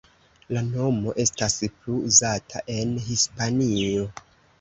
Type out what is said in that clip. La nomo estas plu uzata en Hispanio.